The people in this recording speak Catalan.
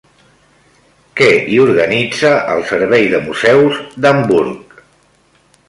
Què hi organitza el servei de museus d'Hamburg?